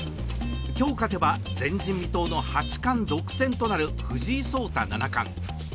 今日勝てば前人未到の八冠独占となる藤井聡太七冠。